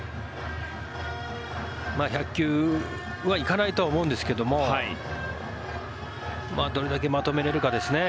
１００球は行かないとは思うんですけどもどれだけまとめられるかですね。